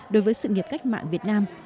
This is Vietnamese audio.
đối với sự nghiệp cách mạng việt nam